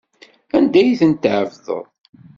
Anda ay tent-tɛebdeḍ?